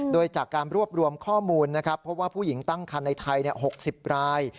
โดยจากการรวบรวมข้อมูลนะครับเพราะว่าผู้หญิงตั้งคันในไทย๖๐ราย